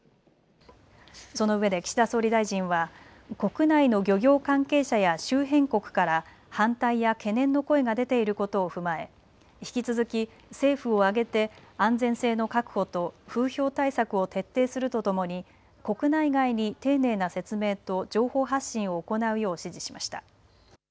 そのうえで岸田総理大臣は国内の漁業関係者や周辺国から反対や懸念の声が出ていることを踏まえ、引き続き政府を挙げて安全性の確保と風評対策を徹底するとともに国内外に丁寧な説明と情報発信を行うよう指示しました。